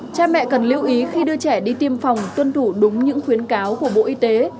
cha mẹ cần lưu ý khi đưa trẻ đi tiêm phòng tuân thủ đúng những khuyến cáo của bộ y tế